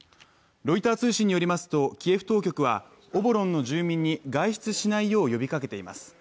ロイター通信によりますとキエフ当局はオボロンの住民に外出しないよう呼びかけています。